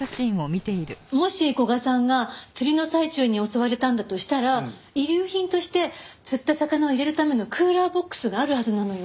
もし古賀さんが釣りの最中に襲われたんだとしたら遺留品として釣った魚を入れるためのクーラーボックスがあるはずなのよ。